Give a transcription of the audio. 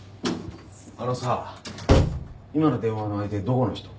あのさ今の電話の相手どこの人？